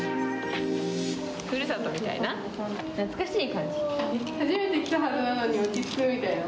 ふるさとみたいな、懐かしい初めて来たはずなのに落ち着くみたいな。